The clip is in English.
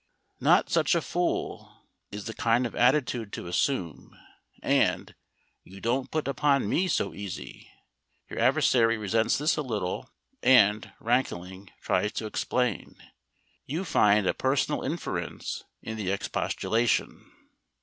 "Not such a fool," is the kind of attitude to assume, and "You don't put upon me so easy." Your adversary resents this a little, and, rankling, tries to explain. You find a personal inference in the expostulation.